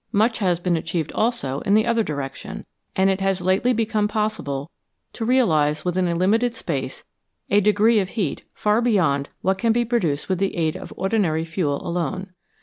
Much has been achieved also in the other direction, and it has lately become possible to realise within a limited space a degree of heat far beyond what can be produced with the aid of ordinary fuel alone.